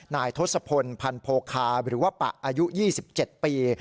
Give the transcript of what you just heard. นายทศพลพันโพคาหรือว่าปะอายุ๒๗ปี